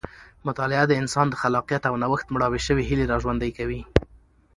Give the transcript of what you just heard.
مطالعه د انسان د خلاقیت او نوښت مړاوې شوې هیلې راژوندۍ کوي.